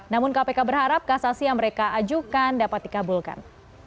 namun kpk berharap kasasi yang mereka ajukan dapat dikabulkan